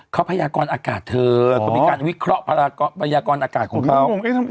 เขาพยากรอากาศเธอก็มีการวิเคราะห์พยากรอากาศของเขา